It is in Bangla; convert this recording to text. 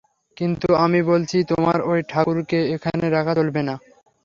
কিন্তু আমি বলছি, তোমার ঐ ঠাকুরকে এখানে রাখা চলবে না।